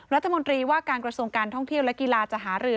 รัฐมนตรีว่าการกระทรวงการท่องเที่ยวและกีฬาจะหารือ